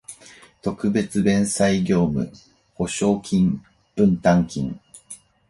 特別弁済業務保証金分担金